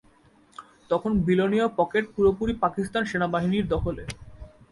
তখন বিলোনিয়া পকেট পুরোপুরি পাকিস্তান সেনাবাহিনীর দখলে।